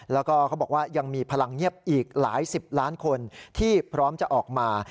แล้วก็เขาบอกว่ายังมีพลังเงียบอีกหลายสิบล้านคนที่พร้อมจะออกมา